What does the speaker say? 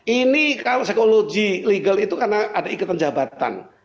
ini kalau psikologi legal itu karena ada ikatan jabatan